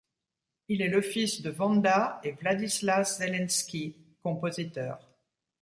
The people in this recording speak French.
Il est le fils de Wanda et Wladislas Zelenski, compositeur.